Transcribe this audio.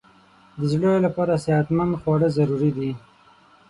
د زړه لپاره صحتمند خواړه ضروري دي.